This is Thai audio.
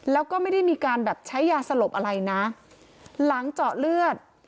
แล้วก็ไม่ได้มีการแบบใช้ยาสลบอะไรนะหลังเจาะเลือด